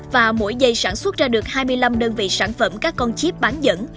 và mỗi giây sản xuất ra được hai mươi năm đơn vị sản phẩm các con chip bán dẫn